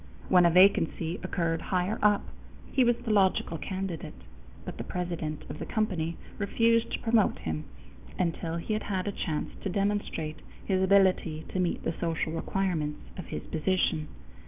When a vacancy occurred higher up, he was the logical candidate; but the president of the company refused to promote him until he had had a chance to demonstrate his ability to meet the social requirements of his position.